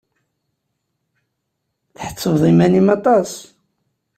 Tḥettbeḍ iman-im aṭas!